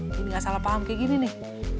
ini gak salah paham kayak gini nih